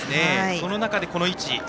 その中で、この位置。